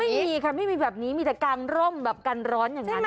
ไม่มีค่ะไม่มีแบบนี้มีแต่กางร่มแบบกันร้อนอย่างนั้น